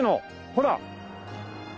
ほら！